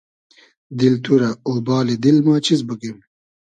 دیل تو رۂ اۉبالی دیل ما چیز بوگیم